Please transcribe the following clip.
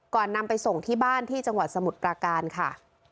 นำไปส่งที่บ้านที่จังหวัดสมุทรปราการค่ะ